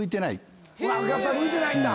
やっぱ向いてないんだ！